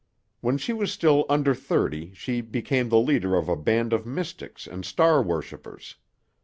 When she was still under thirty she became the leader of a band of mystics and star worshipers.